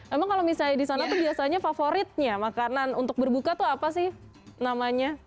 emang kalau misalnya di sana tuh biasanya favoritnya makanan untuk berbuka tuh apa sih namanya